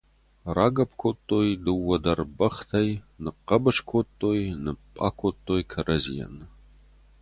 Рагӕпп кодтой дыууӕ дӕр бӕхтӕй, ныхъхъӕбыс кодтой, ныпъпъа кодтой кӕрӕдзийӕн.